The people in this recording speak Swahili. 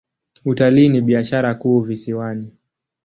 Utalii ni biashara kuu visiwani.